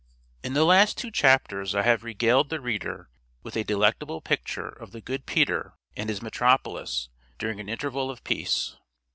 In the last two chapters I have regaled the reader with a delectable picture of the good Peter and his metropolis during an interval of peace.